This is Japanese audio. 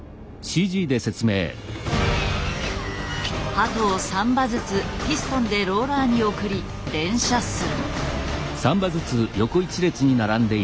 鳩を３羽ずつピストンでローラーに送り連射する。